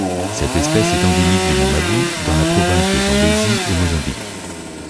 Cette espèce est endémique du mont Mabu dans la province de Zambézie au Mozambique.